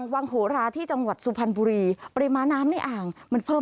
วังโหราที่จังหวัดสุพรรณบุรีปริมาณน้ำในอ่างมันเพิ่ม